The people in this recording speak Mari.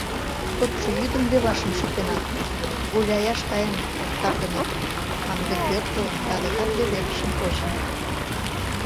Кодшо йӱдым левашым шӱтенат, гуляяш каен, каргыме, а ынде пӧртылын да адакат леведышым почын.